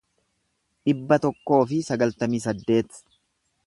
dhibba tokkoo fi sagaltamii saddeet